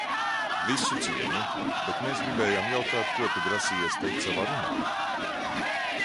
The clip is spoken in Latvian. Visu cieņu, bet mēs gribējām jautāt, ko tu grasījies teikt savā runā?